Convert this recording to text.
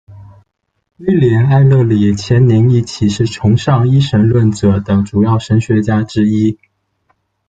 威廉·埃勒里·钱宁一起，是崇尚一神论者的主要神学家之一。